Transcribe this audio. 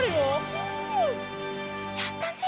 うんやったね！